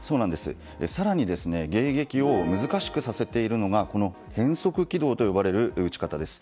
更に迎撃を難しくさせているのが変則軌道と呼ばれる撃ち方です。